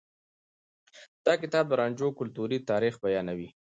دا کتاب د رانجو کلتوري تاريخ بيانوي.